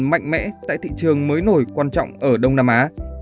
mạnh mẽ tại thị trường mới nổi quan trọng ở đông nam á